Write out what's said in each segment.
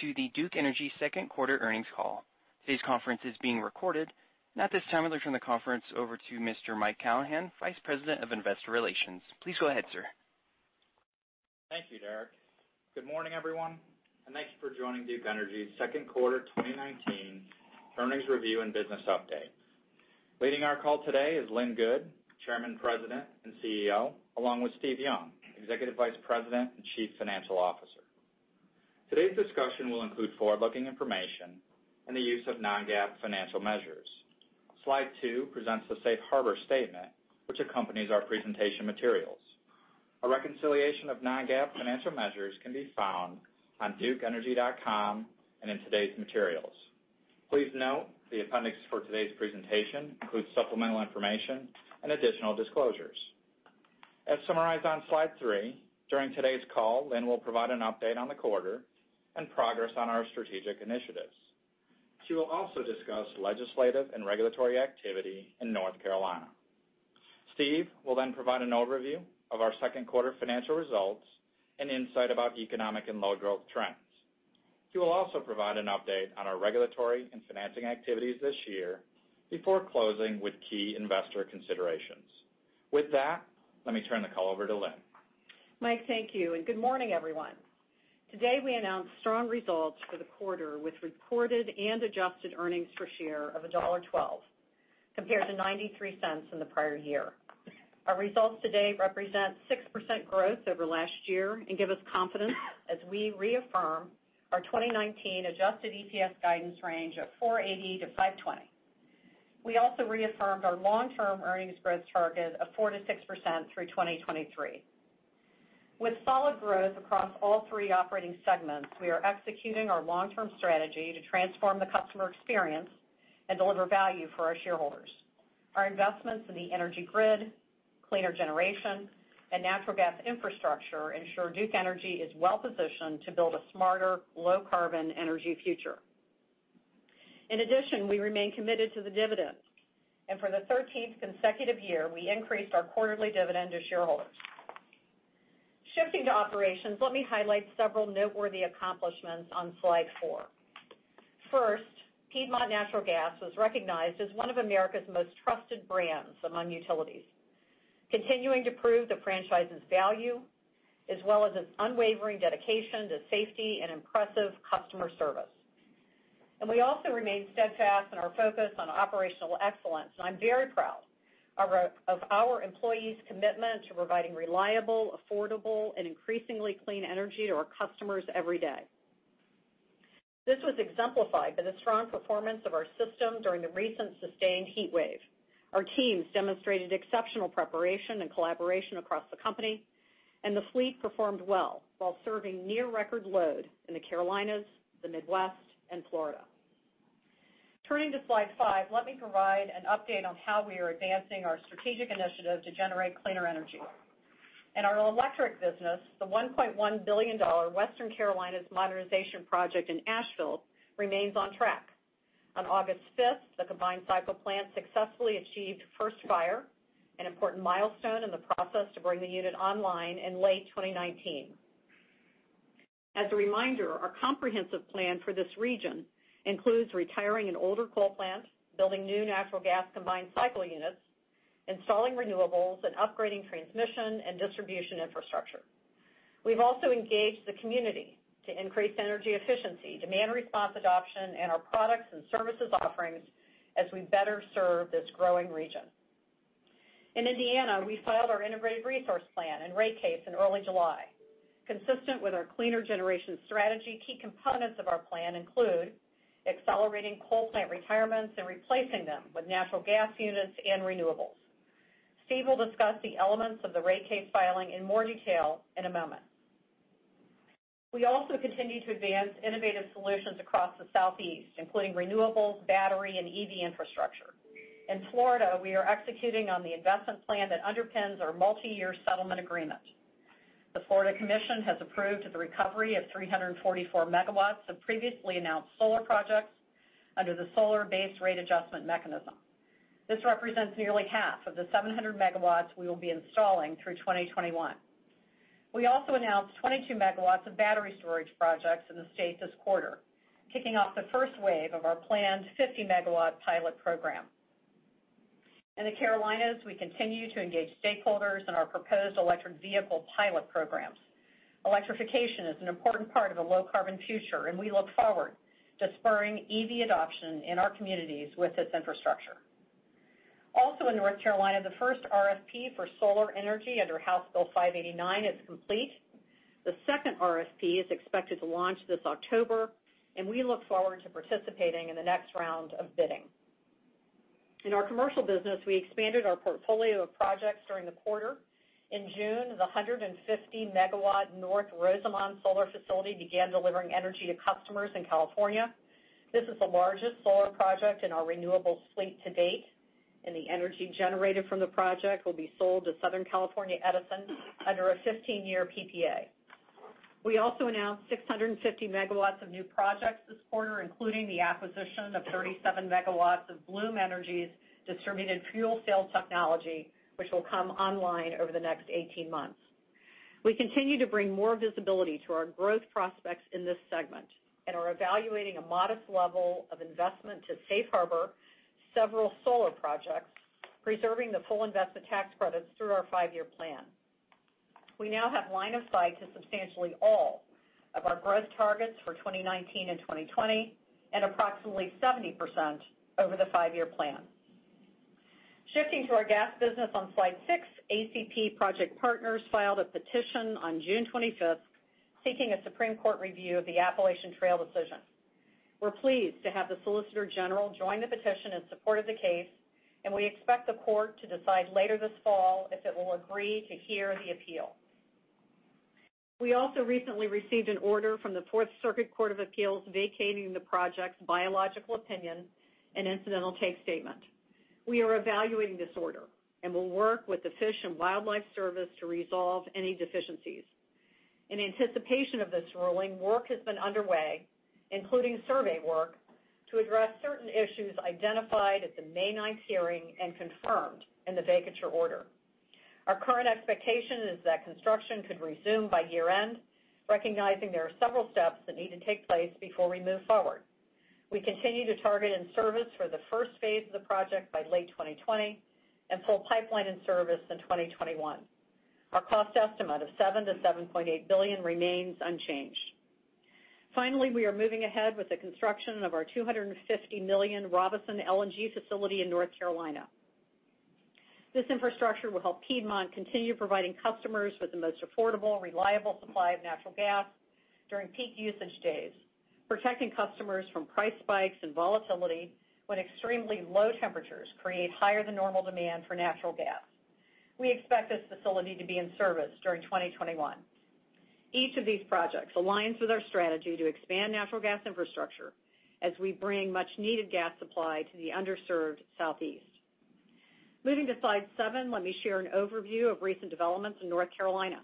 To the Duke Energy second quarter earnings call. Today's conference is being recorded. At this time, I'll turn the conference over to Mr. Mike Callahan, Vice President of Investor Relations. Please go ahead, sir. Thank you, Derrick. Good morning, everyone, and thanks for joining Duke Energy's second quarter 2019 earnings review and business update. Leading our call today is Lynn Good, Chairman, President, and CEO, along with Steve Young, Executive Vice President and Chief Financial Officer. Today's discussion will include forward-looking information and the use of non-GAAP financial measures. Slide two presents the safe harbor statement, which accompanies our presentation materials. A reconciliation of non-GAAP financial measures can be found on duke-energy.com and in today's materials. Please note the appendix for today's presentation includes supplemental information and additional disclosures. As summarized on slide three, during today's call, Lynn will provide an update on the quarter and progress on our strategic initiatives. She will also discuss legislative and regulatory activity in North Carolina. Steve will then provide an overview of our second quarter financial results and insight about economic and load growth trends. He will also provide an update on our regulatory and financing activities this year before closing with key investor considerations. With that, let me turn the call over to Lynn. Mike, thank you, good morning, everyone. Today, we announced strong results for the quarter with reported and adjusted earnings per share of $1.12 compared to $0.93 in the prior year. Our results today represent 6% growth over last year and give us confidence as we reaffirm our 2019 adjusted EPS guidance range of $4.80-$5.20. We also reaffirmed our long-term earnings growth target of 4%-6% through 2023. With solid growth across all three operating segments, we are executing our long-term strategy to transform the customer experience and deliver value for our shareholders. Our investments in the energy grid, cleaner generation, and natural gas infrastructure ensure Duke Energy is well-positioned to build a smarter, low-carbon energy future. In addition, we remain committed to the dividend, for the 13th consecutive year, we increased our quarterly dividend to shareholders. Shifting to operations, let me highlight several noteworthy accomplishments on slide four. First, Piedmont Natural Gas was recognized as one of America's most trusted brands among utilities, continuing to prove the franchise's value, as well as its unwavering dedication to safety and impressive customer service. We also remain steadfast in our focus on operational excellence, and I'm very proud of our employees' commitment to providing reliable, affordable, and increasingly clean energy to our customers every day. This was exemplified by the strong performance of our system during the recent sustained heat wave. Our teams demonstrated exceptional preparation and collaboration across the company, and the fleet performed well while serving near record load in the Carolinas, the Midwest, and Florida. Turning to slide five, let me provide an update on how we are advancing our strategic initiative to generate cleaner energy. In our electric business, the $1.1 billion Western Carolinas Modernization Project in Asheville remains on track. On August 5th, the combined cycle plant successfully achieved first fire, an important milestone in the process to bring the unit online in late 2019. As a reminder, our comprehensive plan for this region includes retiring an older coal plant, building new natural gas combined cycle units, installing renewables, and upgrading transmission and distribution infrastructure. We've also engaged the community to increase energy efficiency, demand response adoption, and our products and services offerings as we better serve this growing region. In Indiana, we filed our integrated resource plan and rate case in early July. Consistent with our cleaner generation strategy, key components of our plan include accelerating coal plant retirements and replacing them with natural gas units and renewables. Steve will discuss the elements of the rate case filing in more detail in a moment. We also continue to advance innovative solutions across the Southeast, including renewables, battery, and EV infrastructure. In Florida, we are executing on the investment plan that underpins our multi-year settlement agreement. The Florida Commission has approved the recovery of 344 megawatts of previously announced solar projects under the Solar Base Rate Adjustment mechanism. This represents nearly half of the 700 megawatts we will be installing through 2021. We also announced 22 megawatts of battery storage projects in the state this quarter, kicking off the first wave of our planned 50-megawatt pilot program. In the Carolinas, we continue to engage stakeholders in our proposed electric vehicle pilot programs. Electrification is an important part of a low-carbon future, we look forward to spurring EV adoption in our communities with this infrastructure. Also in North Carolina, the first RFP for solar energy under House Bill 589 is complete. The second RFP is expected to launch this October, and we look forward to participating in the next round of bidding. In our commercial business, we expanded our portfolio of projects during the quarter. In June, the 150-megawatt North Rosamond solar facility began delivering energy to customers in California. This is the largest solar project in our renewables fleet to date, and the energy generated from the project will be sold to Southern California Edison under a 15-year PPA. We also announced 650 megawatts of new projects this quarter, including the acquisition of 37 megawatts of Bloom Energy's distributed fuel cell technology, which will come online over the next 18 months. We continue to bring more visibility to our growth prospects in this segment and are evaluating a modest level of investment to safe harbor several solar projects, preserving the full investment tax credits through our five-year plan. We now have line of sight to substantially all of our growth targets for 2019 and 2020, and approximately 70% over the five-year plan. Shifting to our gas business on slide six, ACP Project Partners filed a petition on June 25th seeking a Supreme Court review of the Appalachian Trail decision. We're pleased to have the Solicitor General join the petition in support of the case, and we expect the court to decide later this fall if it will agree to hear the appeal. We also recently received an order from the Fourth Circuit Court of Appeals vacating the project's biological opinion and incidental take statement. We are evaluating this order and will work with the Fish and Wildlife Service to resolve any deficiencies. In anticipation of this ruling, work has been underway, including survey work, to address certain issues identified at the May 9th hearing and confirmed in the vacature order. Our current expectation is that construction could resume by year-end, recognizing there are several steps that need to take place before we move forward. We continue to target in-service for the first phase of the project by late 2020 and full pipeline in service in 2021. Our cost estimate of $7 billion-$7.8 billion remains unchanged. Finally, we are moving ahead with the construction of our $250 million Robeson LNG facility in North Carolina. This infrastructure will help Piedmont continue providing customers with the most affordable, reliable supply of natural gas during peak usage days, protecting customers from price spikes and volatility when extremely low temperatures create higher-than-normal demand for natural gas. We expect this facility to be in service during 2021. Each of these projects aligns with our strategy to expand natural gas infrastructure as we bring much-needed gas supply to the underserved Southeast. Moving to slide seven, let me share an overview of recent developments in North Carolina.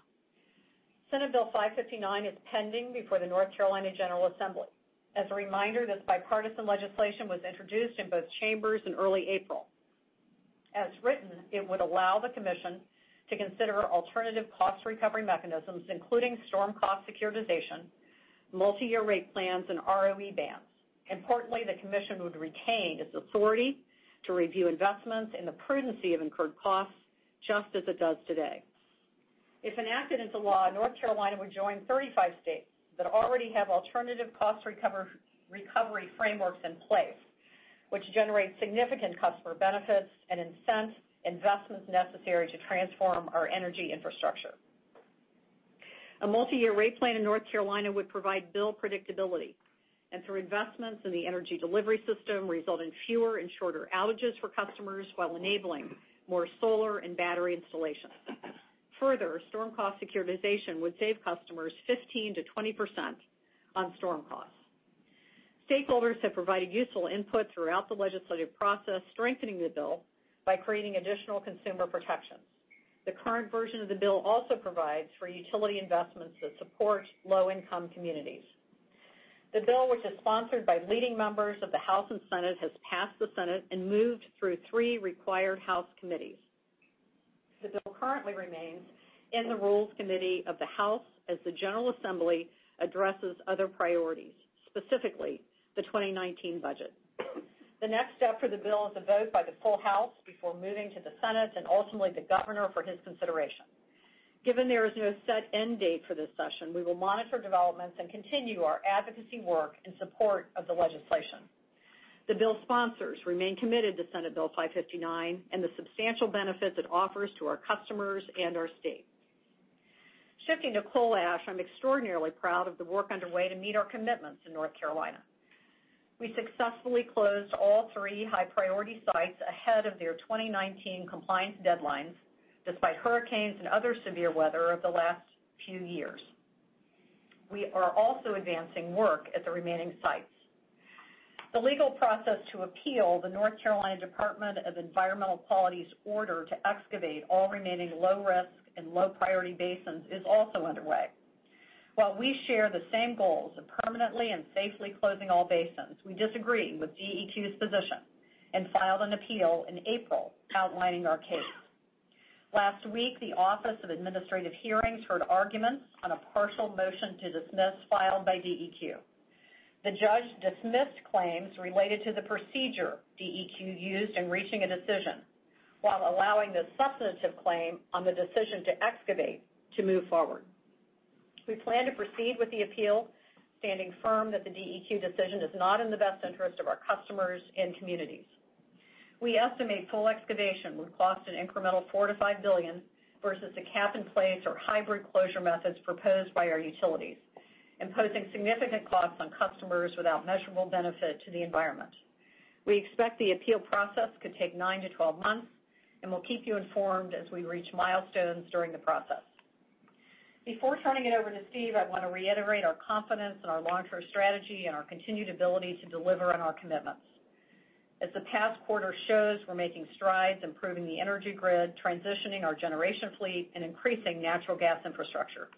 Senate Bill 559 is pending before the North Carolina General Assembly. As a reminder, this bipartisan legislation was introduced in both chambers in early April. As written, it would allow the commission to consider alternative cost recovery mechanisms, including storm cost securitization, multi-year rate plans, and ROE bands. Importantly, the commission would retain its authority to review investments in the prudency of incurred costs, just as it does today. If enacted into law, North Carolina would join 35 states that already have alternative cost recovery frameworks in place, which generate significant customer benefits and incent investments necessary to transform our energy infrastructure. A multi-year rate plan in North Carolina would provide bill predictability, and through investments in the energy delivery system, result in fewer and shorter outages for customers while enabling more solar and battery installations. Further, storm cost securitization would save customers 15%-20% on storm costs. Stakeholders have provided useful input throughout the legislative process, strengthening the bill by creating additional consumer protections. The current version of the bill also provides for utility investments that support low-income communities. The bill, which is sponsored by leading members of the House and Senate, has passed the Senate and moved through three required House committees. The bill currently remains in the Rules Committee of the House as the General Assembly addresses other priorities, specifically the 2019 budget. The next step for the bill is a vote by the full House before moving to the Senate and ultimately the Governor for his consideration. Given there is no set end date for this session, we will monitor developments and continue our advocacy work in support of the legislation. The bill sponsors remain committed to Senate Bill 559 and the substantial benefits it offers to our customers and our state. Shifting to coal ash, I'm extraordinarily proud of the work underway to meet our commitments in North Carolina. We successfully closed all three high-priority sites ahead of their 2019 compliance deadlines, despite hurricanes and other severe weather of the last few years. We are also advancing work at the remaining sites. The legal process to appeal the North Carolina Department of Environmental Quality's order to excavate all remaining low-risk and low-priority basins is also underway. While we share the same goals of permanently and safely closing all basins, we disagree with DEQ's position and filed an appeal in April outlining our case. Last week, the Office of Administrative Hearings heard arguments on a partial motion to dismiss filed by DEQ. The judge dismissed claims related to the procedure DEQ used in reaching a decision, while allowing the substantive claim on the decision to excavate to move forward. We plan to proceed with the appeal, standing firm that the DEQ decision is not in the best interest of our customers and communities. We estimate full excavation would cost an incremental $4 billion-$5 billion versus the cap-in-place or hybrid closure methods proposed by our utilities, imposing significant costs on customers without measurable benefit to the environment. We expect the appeal process could take 9-12 months, and we'll keep you informed as we reach milestones during the process. Before turning it over to Steve, I want to reiterate our confidence in our long-term strategy and our continued ability to deliver on our commitments. As the past quarter shows, we're making strides, improving the energy grid, transitioning our generation fleet, and increasing natural gas infrastructure.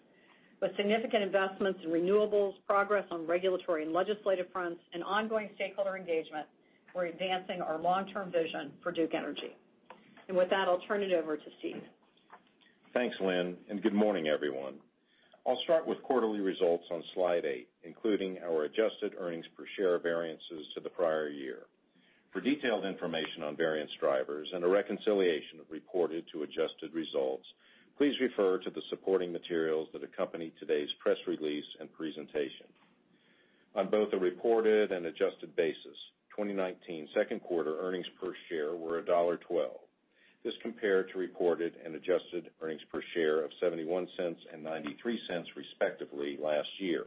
With significant investments in renewables, progress on regulatory and legislative fronts, and ongoing stakeholder engagement, we're advancing our long-term vision for Duke Energy. With that, I'll turn it over to Steve. Thanks, Lynn. Good morning, everyone. I'll start with quarterly results on slide eight, including our adjusted earnings per share variances to the prior year. For detailed information on variance drivers and a reconciliation of reported to adjusted results, please refer to the supporting materials that accompany today's press release and presentation. On both a reported and adjusted basis, 2019 second quarter earnings per share were $1.12. This compared to reported and adjusted earnings per share of $0.71 and $0.93, respectively, last year.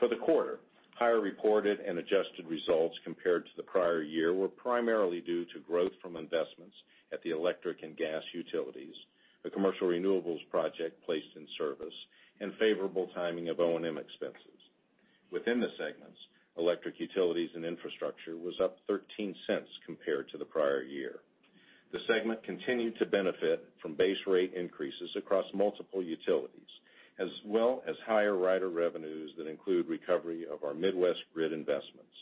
For the quarter, higher reported and adjusted results compared to the prior year were primarily due to growth from investments at the electric and gas utilities, the commercial renewables project placed in service, and favorable timing of O&M expenses. Within the segments, electric utilities and infrastructure was up $0.13 compared to the prior year. The segment continued to benefit from base rate increases across multiple utilities, as well as higher rider revenues that include recovery of our Midwest grid investments.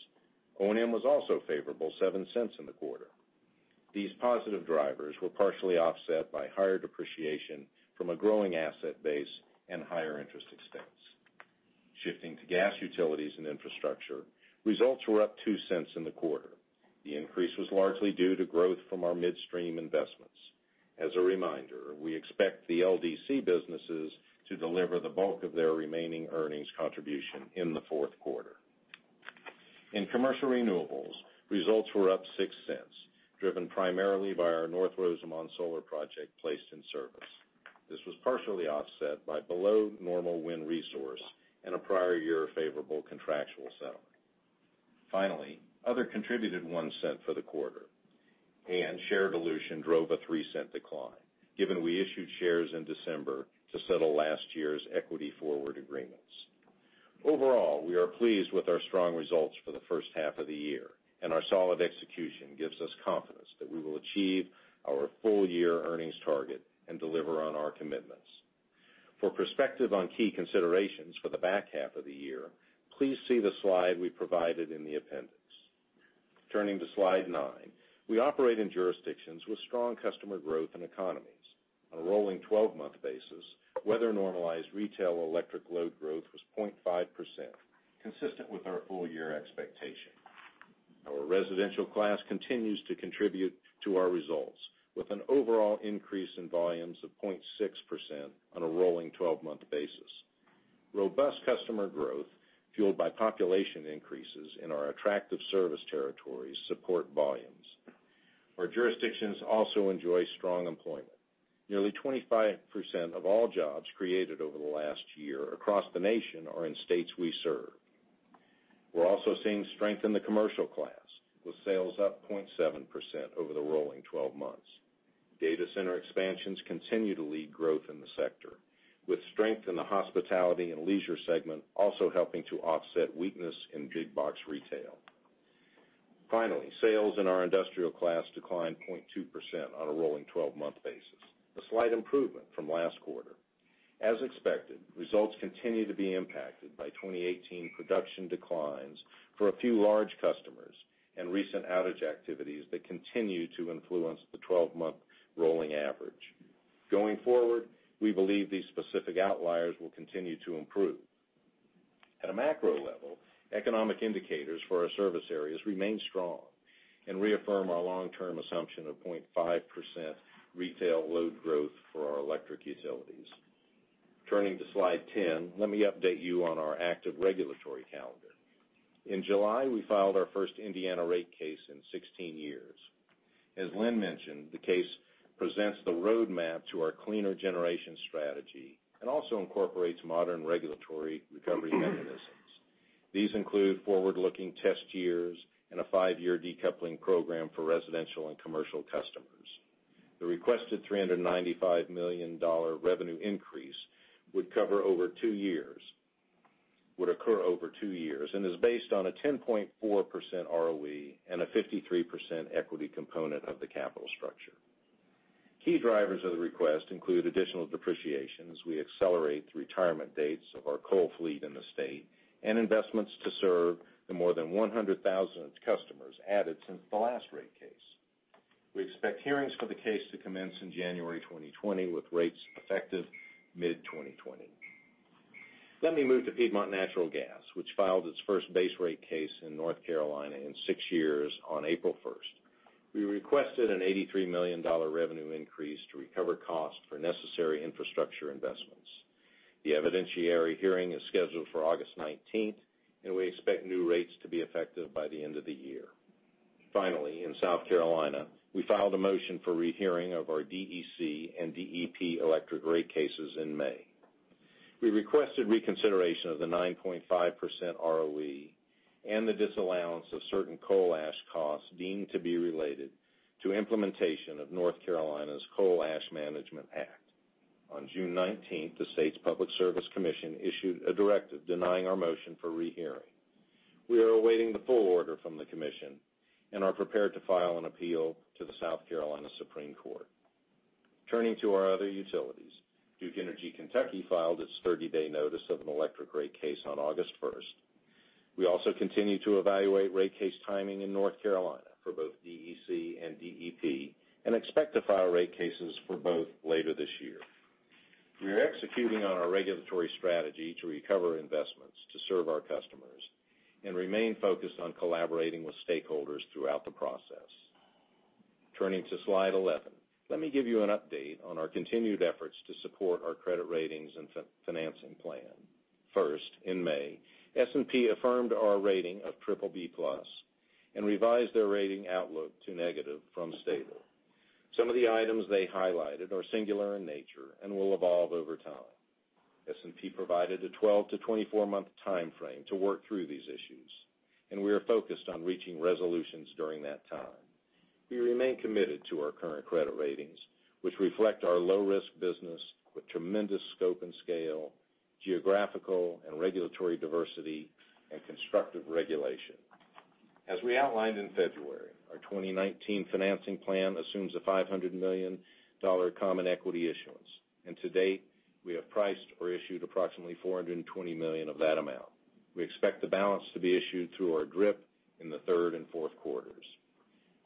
O&M was also favorable, $0.07 in the quarter. These positive drivers were partially offset by higher depreciation from a growing asset base and higher interest expense. Shifting to gas, utilities, and infrastructure, results were up $0.02 in the quarter. The increase was largely due to growth from our midstream investments. As a reminder, we expect the LDC businesses to deliver the bulk of their remaining earnings contribution in the fourth quarter. In commercial renewables, results were up $0.06, driven primarily by our North Rosamond solar project placed in service. This was partially offset by below normal wind resource and a prior year favorable contractual settlement. Finally, other contributed $0.01 for the quarter, and share dilution drove a $0.03 decline, given we issued shares in December to settle last year's equity forward agreements. Overall, we are pleased with our strong results for the first half of the year, and our solid execution gives us confidence that we will achieve our full year earnings target and deliver on our commitments. For perspective on key considerations for the back half of the year, please see the slide we provided in the appendix. Turning to slide nine. We operate in jurisdictions with strong customer growth and economies. On a rolling 12-month basis, weather-normalized retail electric load growth was 0.5%, consistent with our full year expectation. Our residential class continues to contribute to our results, with an overall increase in volumes of 0.6% on a rolling 12-month basis. Robust customer growth, fueled by population increases in our attractive service territories, support volumes. Our jurisdictions also enjoy strong employment. Nearly 25% of all jobs created over the last year across the nation are in states we serve. We're also seeing strength in the commercial class, with sales up 0.7% over the rolling 12 months. Data center expansions continue to lead growth in the sector, with strength in the hospitality and leisure segment also helping to offset weakness in big box retail. Sales in our industrial class declined 0.2% on a rolling 12-month basis, a slight improvement from last quarter. As expected, results continue to be impacted by 2018 production declines for a few large customers and recent outage activities that continue to influence the 12-month rolling average. Going forward, we believe these specific outliers will continue to improve. At a macro level, economic indicators for our service areas remain strong and reaffirm our long-term assumption of 0.5% retail load growth for our electric utilities. Turning to slide 10, let me update you on our active regulatory calendar. In July, we filed our first Indiana rate case in 16 years. As Lynn mentioned, the case presents the roadmap to our cleaner generation strategy and also incorporates modern regulatory recovery mechanisms. These include forward-looking test years and a five-year decoupling program for residential and commercial customers. The requested $395 million revenue increase would occur over two years and is based on a 10.4% ROE and a 53% equity component of the capital structure. Key drivers of the request include additional depreciation as we accelerate the retirement dates of our coal fleet in the state and investments to serve the more than 100,000 customers added since the last rate case. We expect hearings for the case to commence in January 2020, with rates effective mid-2020. Let me move to Piedmont Natural Gas, which filed its first base rate case in North Carolina in six years on April 1st. We requested an $83 million revenue increase to recover cost for necessary infrastructure investments. The evidentiary hearing is scheduled for August 19th. We expect new rates to be effective by the end of the year. Finally, in South Carolina, we filed a motion for rehearing of our DEC and DEP electric rate cases in May. We requested reconsideration of the 9.5% ROE and the disallowance of certain coal ash costs deemed to be related to implementation of North Carolina's Coal Ash Management Act. On June 19th, the state's Public Service Commission issued a directive denying our motion for rehearing. We are awaiting the full order from the commission and are prepared to file an appeal to the South Carolina Supreme Court. Turning to our other utilities, Duke Energy Kentucky filed its 30-day notice of an electric rate case on August 1st. We also continue to evaluate rate case timing in North Carolina for both DEC and DEP, and expect to file rate cases for both later this year. We are executing on our regulatory strategy to recover investments to serve our customers and remain focused on collaborating with stakeholders throughout the process. Turning to slide 11, let me give you an update on our continued efforts to support our credit ratings and financing plan. First, in May, S&P affirmed our rating of triple B plus and revised their rating outlook to negative from stable. Some of the items they highlighted are singular in nature and will evolve over time. S&P provided a 12- to 24-month timeframe to work through these issues, and we are focused on reaching resolutions during that time. We remain committed to our current credit ratings, which reflect our low-risk business with tremendous scope and scale, geographical and regulatory diversity, and constructive regulation. As we outlined in February, our 2019 financing plan assumes a $500 million common equity issuance. To date, we have priced or issued approximately $420 million of that amount. We expect the balance to be issued through our DRIP in the third and fourth quarters.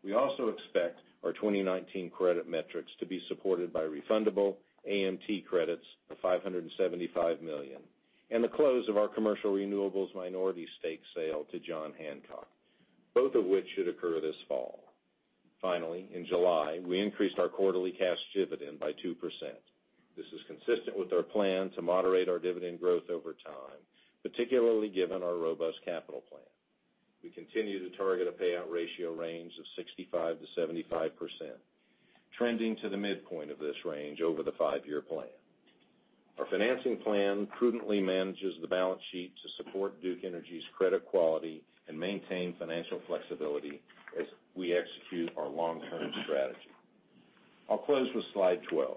We also expect our 2019 credit metrics to be supported by refundable AMT credits of $575 million and the close of our commercial renewables minority stake sale to John Hancock, both of which should occur this fall. Finally, in July, we increased our quarterly cash dividend by 2%. This is consistent with our plan to moderate our dividend growth over time, particularly given our robust capital plan. We continue to target a payout ratio range of 65%-75%, trending to the midpoint of this range over the five-year plan. Our financing plan prudently manages the balance sheet to support Duke Energy's credit quality and maintain financial flexibility as we execute our long-term strategy. I'll close with slide 12.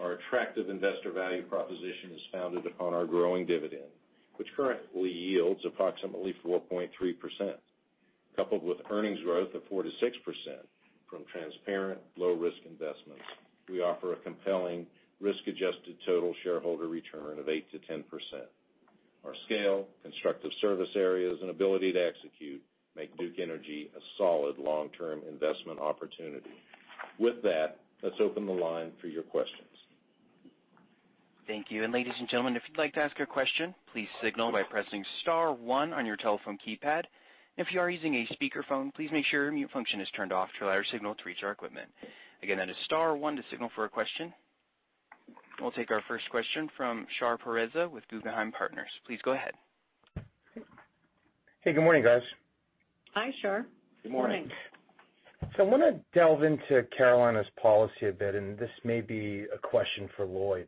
Our attractive investor value proposition is founded upon our growing dividend, which currently yields approximately 4.3%. Coupled with earnings growth of 4%-6% from transparent low-risk investments, we offer a compelling risk-adjusted total shareholder return of 8%-10%. Our scale, constructive service areas, and ability to execute make Duke Energy a solid long-term investment opportunity. With that, let's open the line for your questions. Thank you. Ladies and gentlemen, if you'd like to ask a question, please signal by pressing star one on your telephone keypad. If you are using a speakerphone, please make sure your mute function is turned off to allow your signal to reach our equipment. Again, that is star one to signal for a question. We'll take our first question from Shar Pourreza with Guggenheim Partners. Please go ahead. Hey, good morning, guys. Hi, Shar. Good morning. Good morning. I want to delve into Carolinas' policy a bit, and this may be a question for Lynn.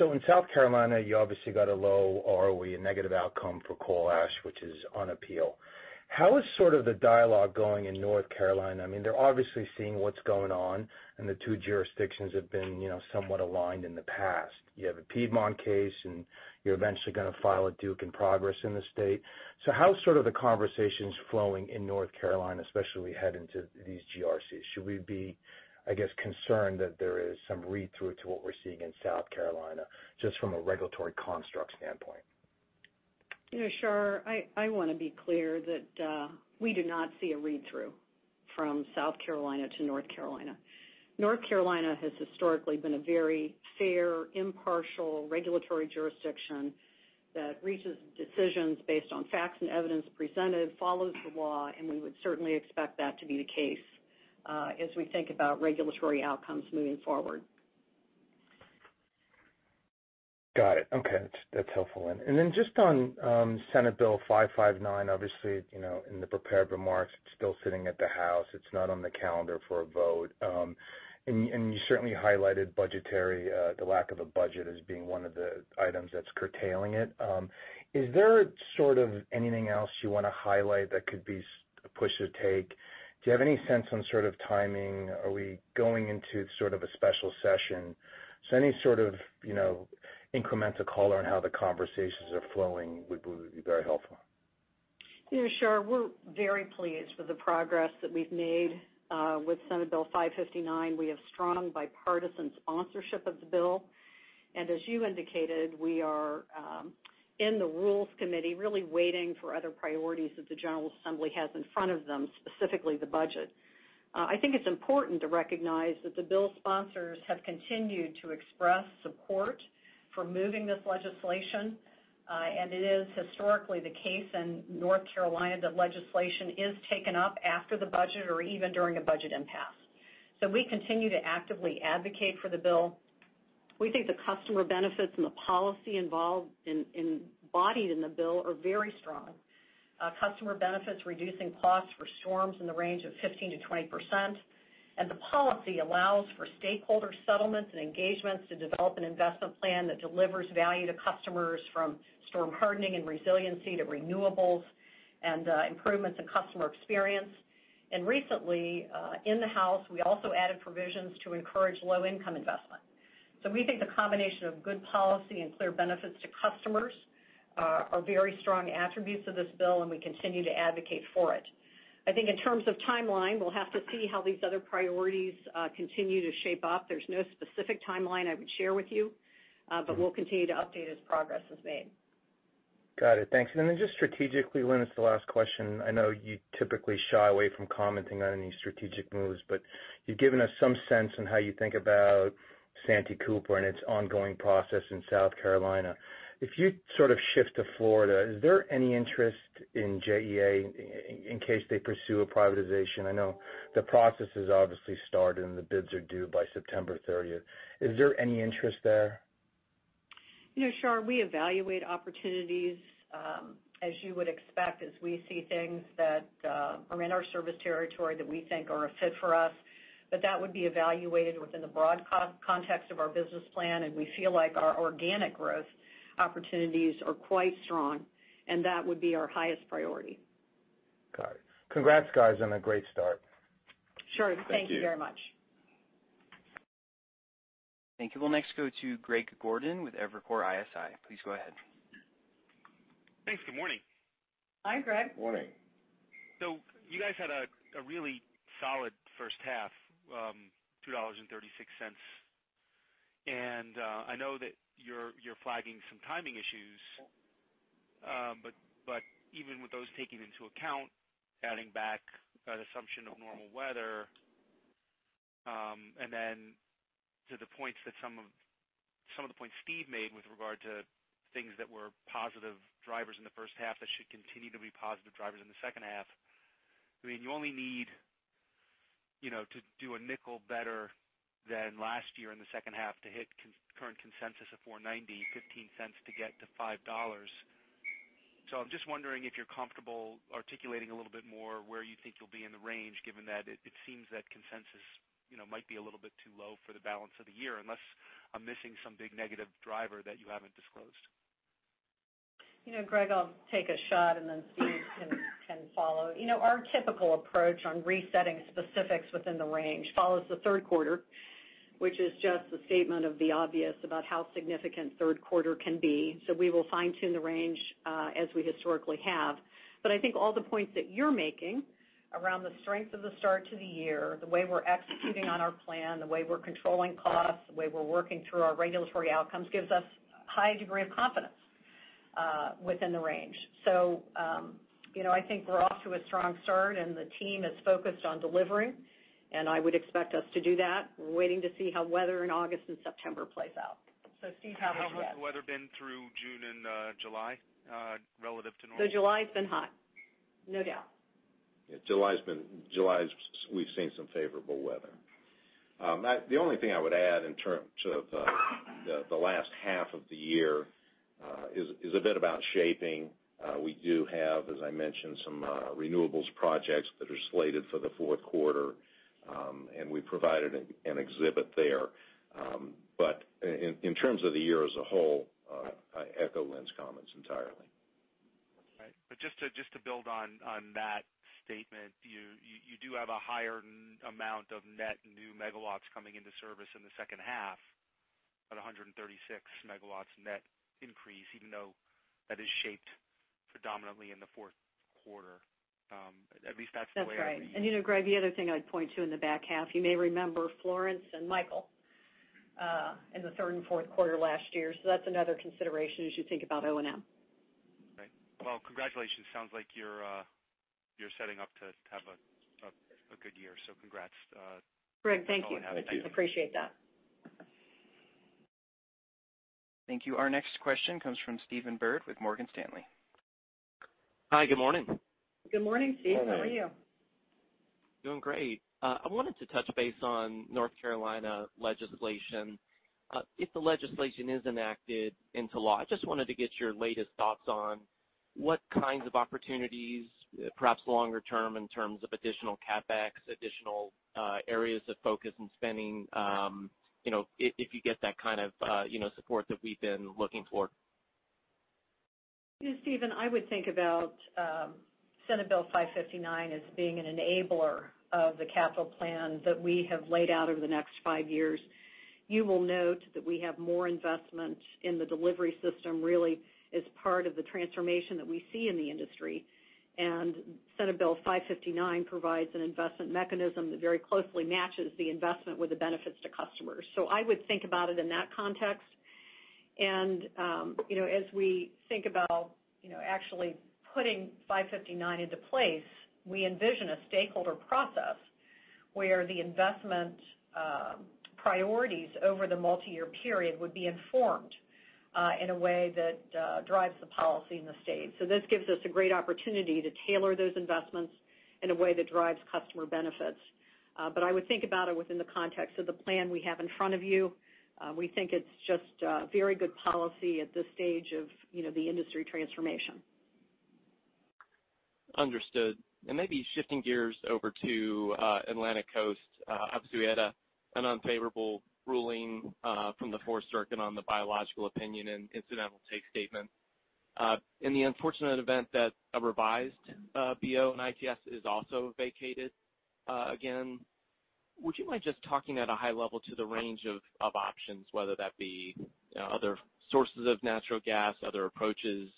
In South Carolina, you obviously got a low ROE, a negative outcome for coal ash, which is on appeal. How is sort of the dialogue going in North Carolina? They're obviously seeing what's going on, and the two jurisdictions have been somewhat aligned in the past. You have a Piedmont case, and you're eventually going to file a Duke Energy Progress in the state. How are the conversations flowing in North Carolina, especially as we head into these GRCs? Should we be, I guess, concerned that there is some read-through to what we're seeing in South Carolina, just from a regulatory construct standpoint? Shar, I want to be clear that we do not see a read-through from South Carolina to North Carolina. North Carolina has historically been a very fair, impartial regulatory jurisdiction that reaches decisions based on facts and evidence presented, follows the law, and we would certainly expect that to be the case as we think about regulatory outcomes moving forward. Got it. Okay. That's helpful. Just on Senate Bill 559, obviously, in the prepared remarks, it's still sitting at the House. It's not on the calendar for a vote. You certainly highlighted budgetary, the lack of a budget as being one of the items that's curtailing it. Is there anything else you want to highlight that could be a push to take? Do you have any sense on sort of timing? Are we going into sort of a special session? Any sort of incremental color on how the conversations are flowing would be very helpful. Shar, we're very pleased with the progress that we've made with Senate Bill 559. We have strong bipartisan sponsorship of the bill. As you indicated, we are in the Rules Committee, really waiting for other priorities that the General Assembly has in front of them, specifically the budget. I think it's important to recognize that the bill sponsors have continued to express support for moving this legislation, and it is historically the case in North Carolina that legislation is taken up after the budget or even during a budget impasse. We continue to actively advocate for the bill. We think the customer benefits and the policy embodied in the bill are very strong. Customer benefits, reducing costs for storms in the range of 15%-20%. The policy allows for stakeholder settlements and engagements to develop an investment plan that delivers value to customers from storm hardening and resiliency to renewables and improvements in customer experience. Recently, in the House, we also added provisions to encourage low-income investment. We think the combination of good policy and clear benefits to customers are very strong attributes of this bill, and we continue to advocate for it. I think in terms of timeline, we'll have to see how these other priorities continue to shape up. There's no specific timeline I would share with you. We'll continue to update as progress is made. Got it. Thanks. Just strategically, Lynn, it's the last question. I know you typically shy away from commenting on any strategic moves, but you've given us some sense on how you think about Santee Cooper and its ongoing process in South Carolina. If you sort of shift to Florida, is there any interest in JEA in case they pursue a privatization? I know the process has obviously started, and the bids are due by September 30th. Is there any interest there? Sure. We evaluate opportunities, as you would expect, as we see things that are in our service territory that we think are a fit for us. That would be evaluated within the broad context of our business plan, and we feel like our organic growth opportunities are quite strong, and that would be our highest priority. Got it. Congrats guys on a great start. Sure. Thank you very much. Thank you. We'll next go to Greg Gordon with Evercore ISI. Please go ahead. Thanks. Good morning. Hi, Greg. Morning. You guys had a really solid first half, $2.36. I know that you're flagging some timing issues. Even with those taken into account, adding back an assumption of normal weather, and then to some of the points Steve made with regard to things that were positive drivers in the first half that should continue to be positive drivers in the second half. You only need to do $0.05 better than last year in the second half to hit current consensus of $4.90, $0.15 to get to $5. I'm just wondering if you're comfortable articulating a little bit more where you think you'll be in the range, given that it seems that consensus might be a little bit too low for the balance of the year, unless I'm missing some big negative driver that you haven't disclosed. Greg, I'll take a shot, and then Steve can follow. Our typical approach on resetting specifics within the range follows the third quarter, which is just the statement of the obvious about how significant third quarter can be. We will fine-tune the range as we historically have. I think all the points that you're making around the strength of the start to the year, the way we're executing on our plan, the way we're controlling costs, the way we're working through our regulatory outcomes gives us a high degree of confidence within the range. I think we're off to a strong start, and the team is focused on delivering, and I would expect us to do that. We're waiting to see how weather in August and September plays out. Steve, how about you? How has the weather been through June and July relative to normal? July's been hot. No doubt. July, we've seen some favorable weather. The only thing I would add in terms of the last half of the year is a bit about shaping. We do have, as I mentioned, some renewables projects that are slated for the fourth quarter, and we provided an exhibit there. In terms of the year as a whole, I echo Lynn's comments entirely. Right. Just to build on that statement, you do have a higher amount of net new megawatts coming into service in the second half at 136 megawatts net increase, even though that is shaped predominantly in the fourth quarter. At least that's the way I read it. That's right. Greg, the other thing I'd point to in the back half, you may remember Florence and Michael in the third and fourth quarter last year. That's another consideration as you think about O&M. Right. Well, congratulations. Sounds like you're setting up to have a good year. Greg, thank you. Thank you. I appreciate that. Thank you. Our next question comes from Stephen Byrd with Morgan Stanley. Hi, good morning. Good morning, Steve. How are you? Good morning. Doing great. I wanted to touch base on North Carolina legislation. If the legislation is enacted into law, I just wanted to get your latest thoughts on what kinds of opportunities, perhaps longer term in terms of additional CapEx, additional areas of focus and spending, if you get that kind of support that we've been looking for. Stephen, I would think about Senate Bill 559 as being an enabler of the capital plan that we have laid out over the next five years. You will note that we have more investment in the delivery system really as part of the transformation that we see in the industry. Senate Bill 559 provides an investment mechanism that very closely matches the investment with the benefits to customers. I would think about it in that context. As we think about actually putting 559 into place, we envision a stakeholder process where the investment priorities over the multi-year period would be informed in a way that drives the policy in the state. This gives us a great opportunity to tailor those investments in a way that drives customer benefits. I would think about it within the context of the plan we have in front of you. We think it's just a very good policy at this stage of the industry transformation. Understood. Maybe shifting gears over to Atlantic Coast. Obviously, we had an unfavorable ruling from the Fourth Circuit on the biological opinion and incidental take statement. In the unfortunate event that a revised BO and ITS is also vacated again, would you mind just talking at a high level to the range of options, whether that be other sources of natural gas, other approaches,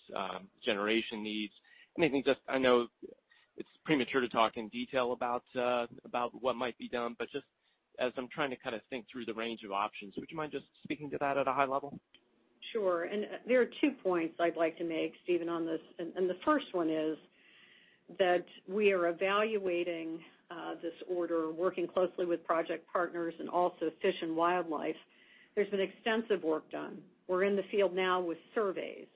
generation needs, anything? I know it's premature to talk in detail about what might be done, just as I'm trying to kind of think through the range of options, would you mind just speaking to that at a high level? Sure. There are two points I'd like to make, Stephen, on this. The first one is that we are evaluating this order, working closely with project partners and also Fish and Wildlife. There's been extensive work done. We're in the field now with surveys,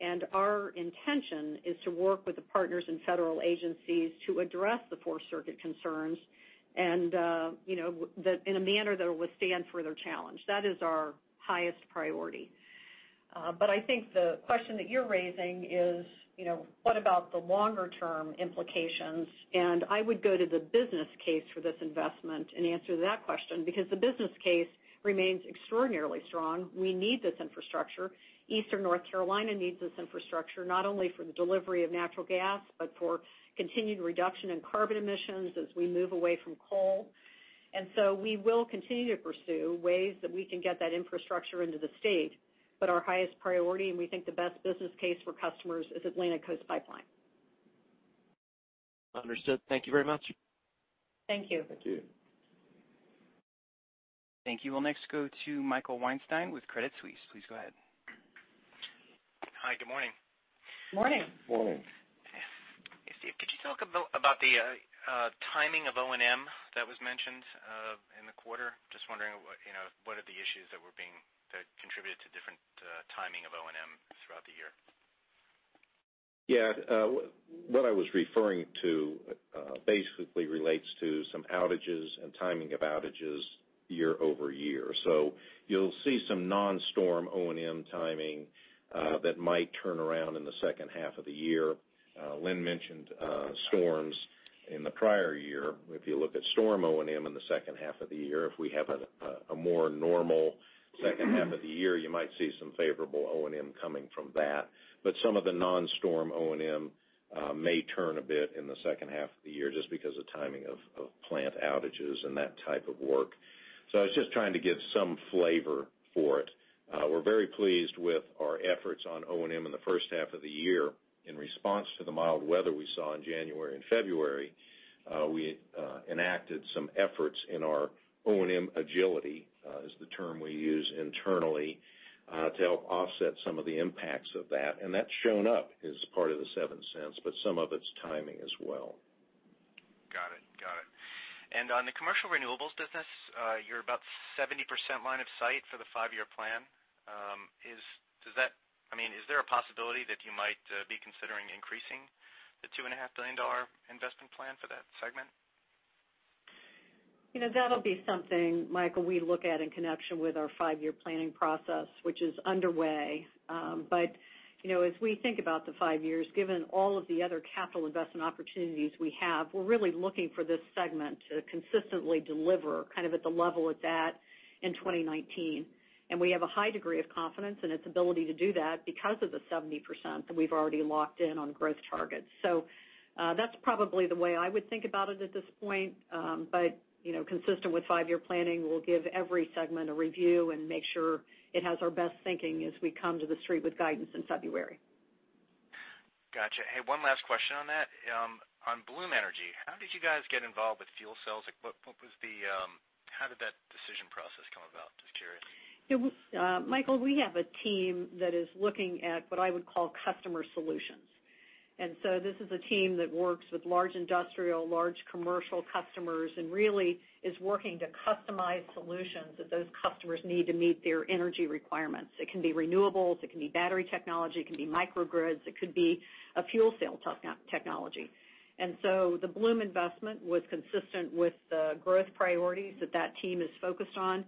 and our intention is to work with the partners and federal agencies to address the Fourth Circuit concerns, and in a manner that will withstand further challenge. That is our highest priority. I think the question that you're raising is, what about the longer-term implications? I would go to the business case for this investment and answer that question because the business case remains extraordinarily strong. We need this infrastructure. Eastern North Carolina needs this infrastructure, not only for the delivery of natural gas, but for continued reduction in carbon emissions as we move away from coal. We will continue to pursue ways that we can get that infrastructure into the state. Our highest priority, and we think the best business case for customers, is Atlantic Coast Pipeline. Understood. Thank you very much. Thank you. Thank you. Thank you. We'll next go to Michael Weinstein with Credit Suisse. Please go ahead. Hi, good morning. Morning. Hey, Steve, could you talk about the timing of O&M that was mentioned in the quarter? Just wondering what are the issues that contributed to different timing of O&M throughout the year? Yeah. What I was referring to basically relates to some outages and timing of outages year-over-year. You'll see some non-storm O&M timing that might turn around in the second half of the year. Lynn mentioned storms in the prior year. If you look at storm O&M in the second half of the year, if we have a more normal second half of the year, you might see some favorable O&M coming from that. Some of the non-storm O&M may turn a bit in the second half of the year just because of timing of plant outages and that type of work. I was just trying to give some flavor for it. We're very pleased with our efforts on O&M in the first half of the year. In response to the mild weather we saw in January and February, we enacted some efforts in our O&M agility, is the term we use internally, to help offset some of the impacts of that, and that's shown up as part of the $0.07, but some of it's timing as well. Got it. On the commercial renewables business, you're about 70% line of sight for the five-year plan. Is there a possibility that you might be considering increasing the $2.5 billion investment plan for that segment? That'll be something, Michael, we look at in connection with our five-year planning process, which is underway. As we think about the five years, given all of the other capital investment opportunities we have, we're really looking for this segment to consistently deliver kind of at the level it's at in 2019. We have a high degree of confidence in its ability to do that because of the 70% that we've already locked in on growth targets. That's probably the way I would think about it at this point. Consistent with five-year planning, we'll give every segment a review and make sure it has our best thinking as we come to the street with guidance in February. Got you. Hey, one last question on that. On Bloom Energy, how did you guys get involved with fuel cells? How did that decision process come about? Just curious. Michael, we have a team that is looking at what I would call customer solutions. This is a team that works with large industrial, large commercial customers, and really is working to customize solutions that those customers need to meet their energy requirements. It can be renewables, it can be battery technology, it can be microgrids, it could be a fuel cell technology. The Bloom investment was consistent with the growth priorities that that team is focused on.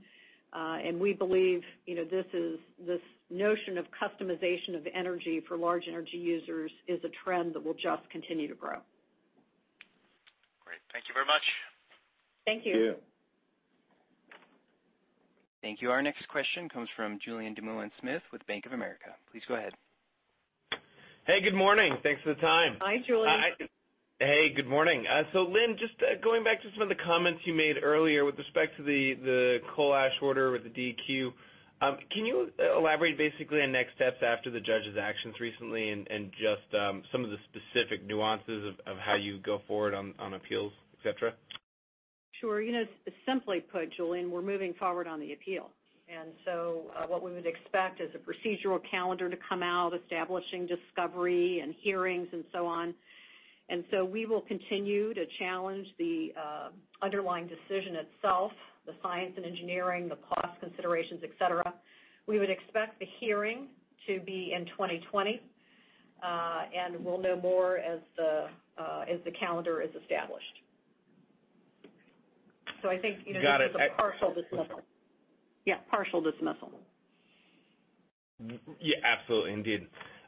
We believe this notion of customization of energy for large energy users is a trend that will just continue to grow. Great. Thank you very much. Thank you. Thank you. Our next question comes from Julien Dumoulin-Smith with Bank of America. Please go ahead. Hey, good morning. Thanks for the time. Hi, Julien. Hey, good morning. Lynn, just going back to some of the comments you made earlier with respect to the coal ash order with the DEQ, can you elaborate basically on next steps after the judge's actions recently and just some of the specific nuances of how you go forward on appeals, et cetera? Sure. Simply put, Julien, we're moving forward on the appeal. What we would expect is a procedural calendar to come out establishing discovery and hearings and so on. We will continue to challenge the underlying decision itself, the science and engineering, the cost considerations, et cetera. We would expect the hearing to be in 2020. We'll know more as the calendar is established. Got it. this is a partial dismissal. Yeah, partial dismissal. Yeah, absolutely. Indeed.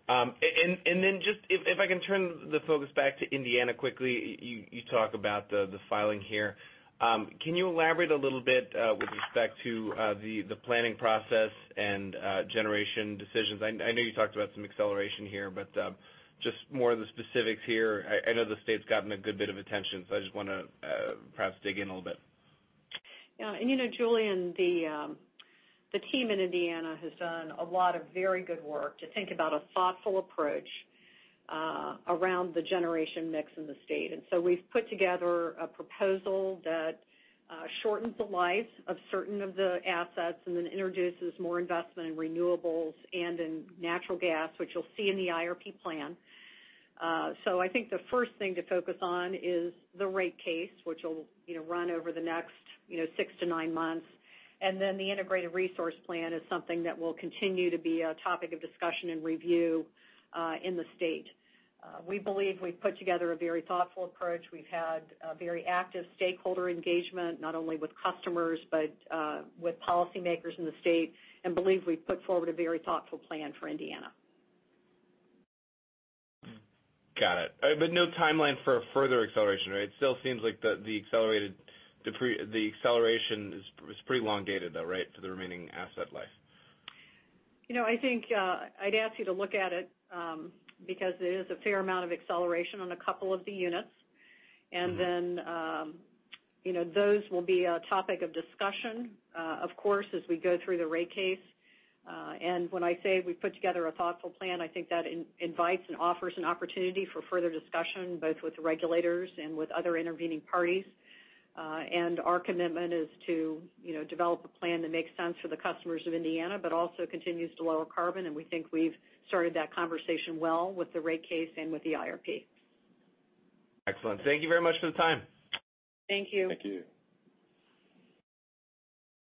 Just if I can turn the focus back to Indiana quickly, you talk about the filing here. Can you elaborate a little bit with respect to the planning process and generation decisions? I know you talked about some acceleration here, but just more of the specifics here. I know the state's gotten a good bit of attention, so I just want to perhaps dig in a little bit. Yeah. Julien, the team in Indiana has done a lot of very good work to think about a thoughtful approach around the generation mix in the state. We've put together a proposal that shortens the life of certain of the assets and then introduces more investment in renewables and in natural gas, which you'll see in the IRP plan. I think the first thing to focus on is the rate case, which will run over the next six to nine months. The integrated resource plan is something that will continue to be a topic of discussion and review in the state. We believe we've put together a very thoughtful approach. We've had a very active stakeholder engagement not only with customers but with policymakers in the state, and believe we've put forward a very thoughtful plan for Indiana. Got it. No timeline for a further acceleration, right? It still seems like the acceleration is pretty elongated though, right, for the remaining asset life. I think I'd ask you to look at it because it is a fair amount of acceleration on a couple of the units. Those will be a topic of discussion, of course, as we go through the rate case. When I say we've put together a thoughtful plan, I think that invites and offers an opportunity for further discussion, both with regulators and with other intervening parties. Our commitment is to develop a plan that makes sense for the customers of Indiana, but also continues to lower carbon, and we think we've started that conversation well with the rate case and with the IRP. Excellent. Thank you very much for the time. Thank you. Thank you.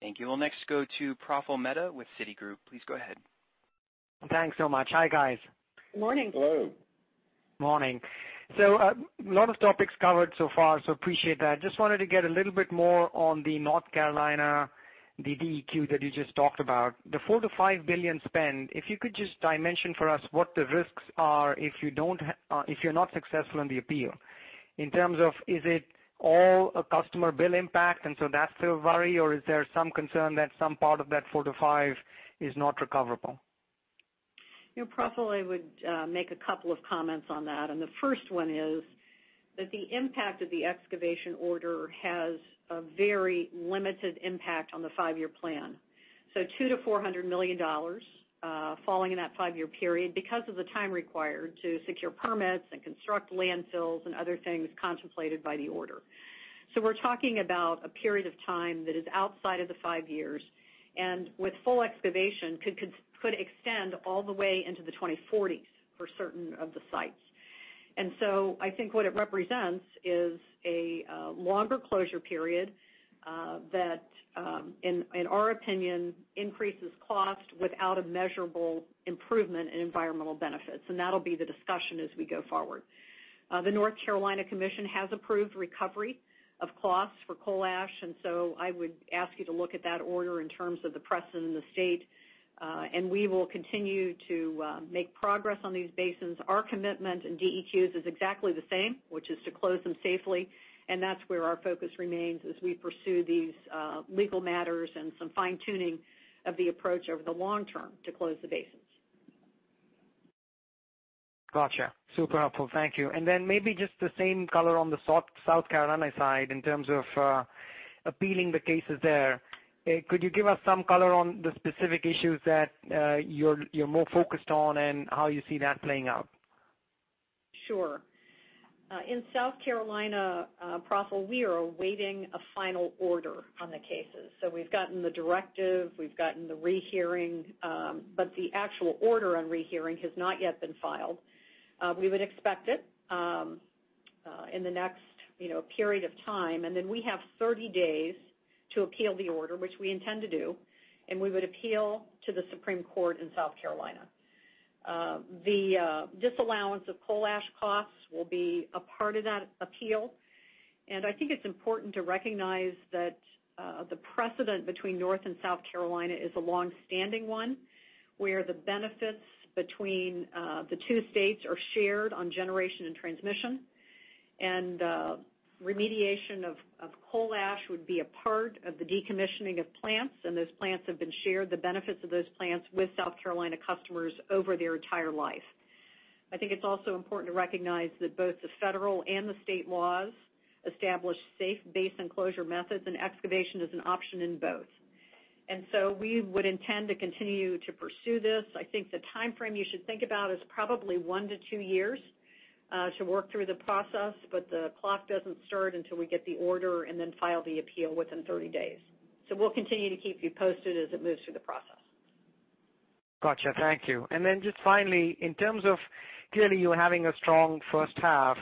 Thank you. We'll next go to Praful Mehta with Citigroup. Please go ahead. Thanks so much. Hi, guys. Morning. Hello. Morning. A lot of topics covered so far, so appreciate that. Wanted to get a little bit more on the North Carolina DEQ that you just talked about. The $4 billion-$5 billion spend, if you could just dimension for us what the risks are if you're not successful in the appeal. In terms of, is it all a customer bill impact and so that's the worry, or is there some concern that some part of that $4 billion-$5 billion is not recoverable? Praful, I would make a couple of comments on that, and the first one is that the impact of the excavation order has a very limited impact on the five-year plan. $2 million-$400 million falling in that five-year period because of the time required to secure permits and construct landfills and other things contemplated by the order. We're talking about a period of time that is outside of the five years, and with full excavation could extend all the way into the 2040s for certain of the sites. I think what it represents is a longer closure period, that in our opinion, increases cost without a measurable improvement in environmental benefits. That'll be the discussion as we go forward. The North Carolina Commission has approved recovery of costs for coal ash, and so I would ask you to look at that order in terms of the precedent in the state. We will continue to make progress on these basins. Our commitment in DEQ's is exactly the same, which is to close them safely, and that's where our focus remains as we pursue these legal matters and some fine-tuning of the approach over the long term to close the basins. Got you. Super helpful. Thank you. Then maybe just the same color on the South Carolina side in terms of appealing the cases there, could you give us some color on the specific issues that you're more focused on, and how you see that playing out? Sure. In South Carolina, Praful, we are awaiting a final order on the cases. We've gotten the directive, we've gotten the rehearing, but the actual order on rehearing has not yet been filed. We would expect it in the next period of time, and then we have 30 days to appeal the order, which we intend to do, and we would appeal to the Supreme Court in South Carolina. The disallowance of coal ash costs will be a part of that appeal, and I think it's important to recognize that the precedent between North and South Carolina is a longstanding one, where the benefits between the two states are shared on generation and transmission. Remediation of coal ash would be a part of the decommissioning of plants, and those plants have been shared, the benefits of those plants with South Carolina customers over their entire life. I think it's also important to recognize that both the federal and the state laws establish safe basin closure methods, and excavation is an option in both. We would intend to continue to pursue this. I think the timeframe you should think about is probably one to two years to work through the process, but the clock doesn't start until we get the order and then file the appeal within 30 days. We'll continue to keep you posted as it moves through the process. Got you. Thank you. Just finally, in terms of clearly you're having a strong first half,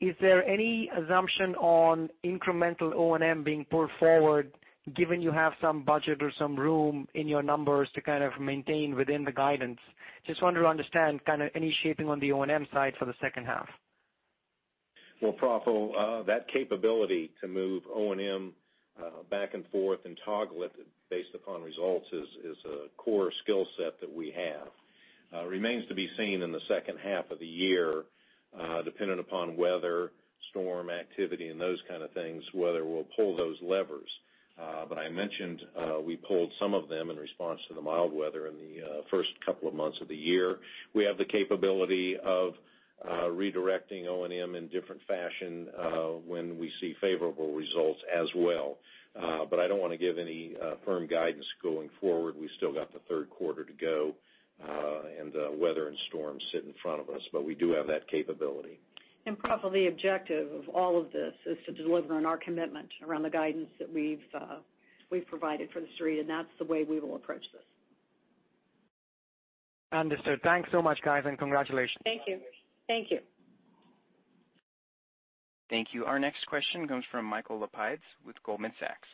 is there any assumption on incremental O&M being pulled forward given you have some budget or some room in your numbers to kind of maintain within the guidance? Just wanted to understand kind of any shaping on the O&M side for the second half. Well, Praful, that capability to move O&M back and forth and toggle it based upon results is a core skill set that we have. Remains to be seen in the second half of the year, dependent upon weather, storm activity, and those kind of things, whether we'll pull those levers. I mentioned we pulled some of them in response to the mild weather in the first couple of months of the year. We have the capability of redirecting O&M in different fashion when we see favorable results as well. I don't want to give any firm guidance going forward. We still got the third quarter to go, and weather and storms sit in front of us, but we do have that capability. Praful, the objective of all of this is to deliver on our commitment around the guidance that we've provided for the Street, and that's the way we will approach this. Understood. Thanks so much, guys, and congratulations. Thank you. Thank you. Thank you. Our next question comes from Michael Lapides with Goldman Sachs.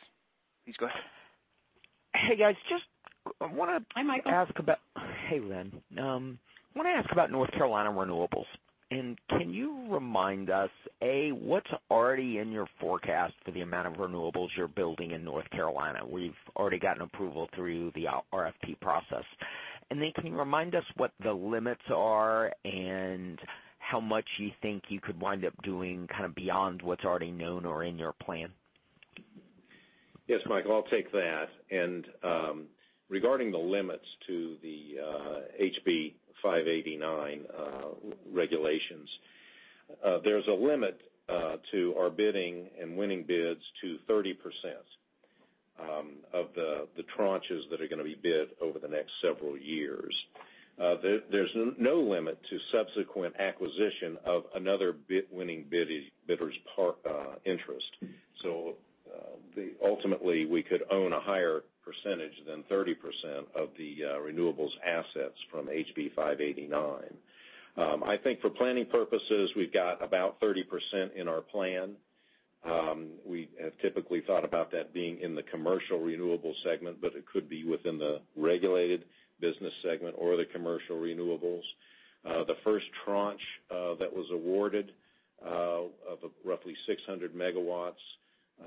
Please go ahead. Hey, guys. Hi, Michael. Hey, Lynn. Want to ask about North Carolina renewables. Can you remind us, A, what's already in your forecast for the amount of renewables you're building in North Carolina? We've already gotten approval through the RFP process. Can you remind us what the limits are and how much you think you could wind up doing kind of beyond what's already known or in your plan? Yes, Michael, I'll take that. Regarding the limits to the HB 589 regulations, there's a limit to our bidding and winning bids to 30% of the tranches that are going to be bid over the next several years. There's no limit to subsequent acquisition of another winning bidder's interest. Ultimately we could own a higher percentage than 30% of the renewables assets from HB 589. I think for planning purposes, we've got about 30% in our plan. We have typically thought about that being in the commercial renewable segment, but it could be within the regulated business segment or the commercial renewables. The first tranche that was awarded of roughly 600 megawatts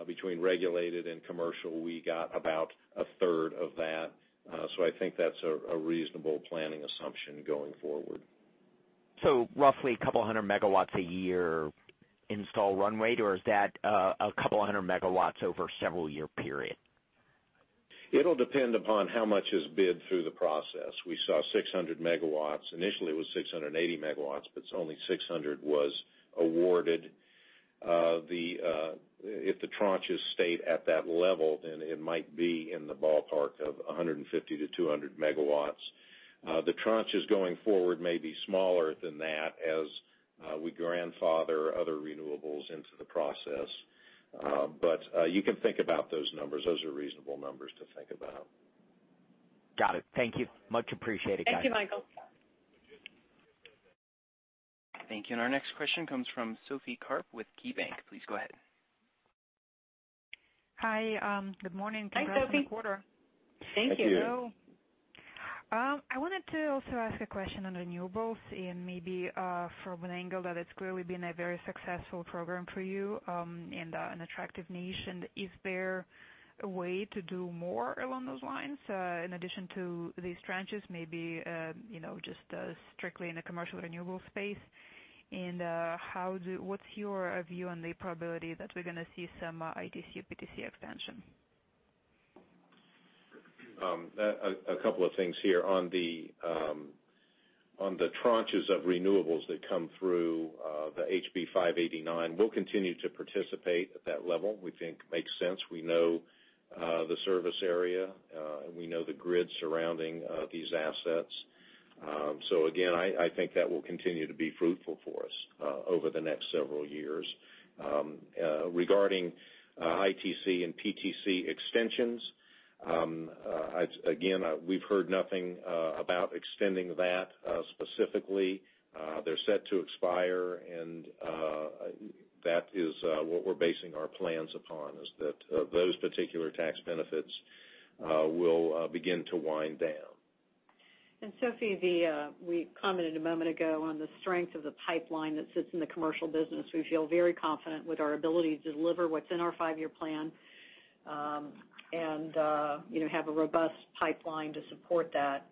between regulated and commercial, we got about a third of that. I think that's a reasonable planning assumption going forward. Roughly a couple hundred MW a year install runway, or is that a couple hundred MW over several year period? It'll depend upon how much is bid through the process. We saw 600 MW. Initially it was 680 MW, but it's only 600 was awarded. If the tranches stay at that level, then it might be in the ballpark of 150-200 MW. The tranches going forward may be smaller than that as we grandfather other renewables into the process. You can think about those numbers. Those are reasonable numbers to think about. Got it. Thank you. Much appreciated, guys. Thank you, Michael. Thank you. Our next question comes from Sophie Karp with KeyBanc. Please go ahead. Hi, good morning. Hi, Sophie. Congratulations on the quarter. Thank you. Thank you. I wanted to also ask a question on renewables and maybe from an angle that it's clearly been a very successful program for you and an attractive niche. Is there a way to do more along those lines in addition to these tranches? Maybe just strictly in the commercial renewable space. What's your view on the probability that we're going to see some ITC/PTC expansion? A couple of things here. On the tranches of renewables that come through the HB 589, we'll continue to participate at that level. We think makes sense. We know the service area, and we know the grid surrounding these assets. Again, I think that will continue to be fruitful for us over the next several years. Regarding ITC and PTC extensions, again, we've heard nothing about extending that specifically. They're set to expire, and that is what we're basing our plans upon, is that those particular tax benefits will begin to wind down. Sophie, we commented a moment ago on the strength of the pipeline that sits in the commercial business. We feel very confident with our ability to deliver what's in our five-year plan, and have a robust pipeline to support that.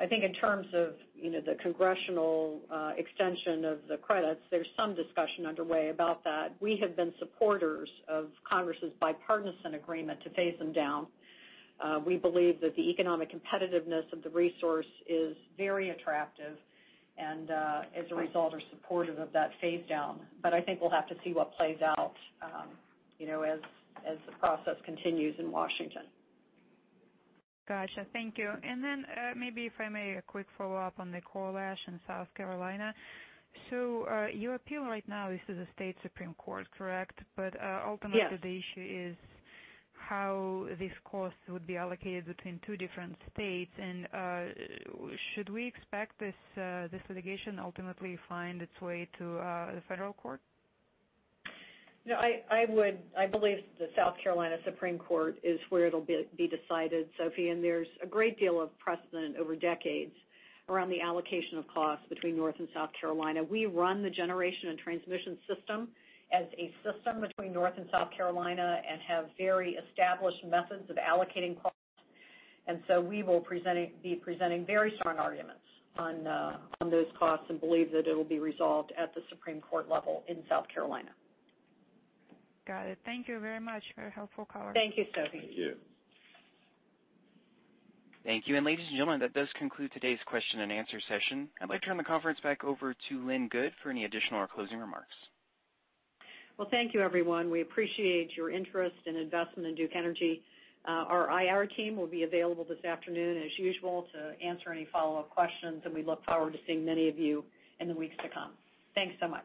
I think in terms of the congressional extension of the credits, there's some discussion underway about that. We have been supporters of Congress's bipartisan agreement to phase them down. We believe that the economic competitiveness of the resource is very attractive and, as a result, are supportive of that phase down. I think we'll have to see what plays out as the process continues in Washington. Got you. Thank you. Maybe if I may, a quick follow-up on the coal ash in South Carolina. Your appeal right now is to the South Carolina Supreme Court, correct? Yes the issue is how this cost would be allocated between two different states. Should we expect this litigation ultimately find its way to the federal court? No, I believe the South Carolina Supreme Court is where it'll be decided, Sophie, and there's a great deal of precedent over decades around the allocation of costs between North and South Carolina. We run the generation and transmission system as a system between North and South Carolina and have very established methods of allocating costs. We will be presenting very strong arguments on those costs and believe that it'll be resolved at the Supreme Court level in South Carolina. Got it. Thank you very much. Very helpful call. Thank you, Sophie. Thank you. Thank you. Ladies and gentlemen, that does conclude today's question and answer session. I'd like to turn the conference back over to Lynn Good for any additional or closing remarks. Well, thank you everyone. We appreciate your interest and investment in Duke Energy. Our IR team will be available this afternoon as usual to answer any follow-up questions, and we look forward to seeing many of you in the weeks to come. Thanks so much.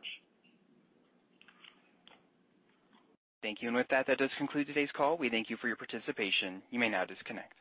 Thank you. With that does conclude today's call. We thank you for your participation. You may now disconnect.